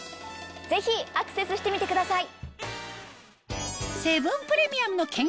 ぜひアクセスしてみてください！